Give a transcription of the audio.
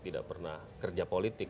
tidak pernah kerja politik